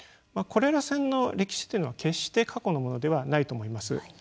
コレラ船の歴史というのは決して過去のものではないと思います。